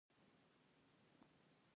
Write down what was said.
ایا ادرار مو په څڅیدو راځي؟